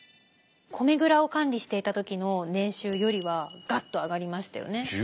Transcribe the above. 米蔵を管理していた時の年収よりはがっと上がりましたよね。